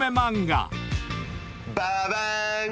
ババーン！